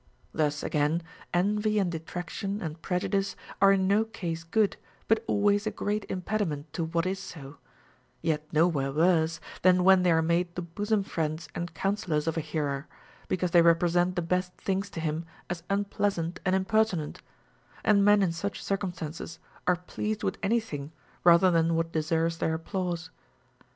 5. Thus again, envy and detraction and prejudice are in no case good, but always a great impediment to Λvhat is so ; yet nowhere worse than Λvhen they are made the bosom friends and counsellors of a hearer, because they represent the best things to him as unpleasant and impertinent, and men in such circumstances are pleased Avith any thing rather than what deserves their applause.